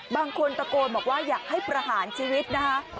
บางคนตะโกนบอกว่าอยากให้ประหารชีวิตนะคะ